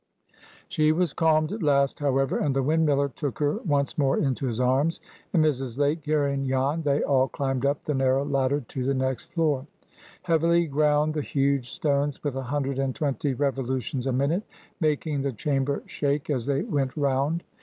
She was calmed at last, however, and the windmiller took her once more into his arms, and Mrs. Lake carrying Jan, they all climbed up the narrow ladder to the next floor. Heavily ground the huge stones with a hundred and twenty revolutions a minute, making the chamber shake as they went round.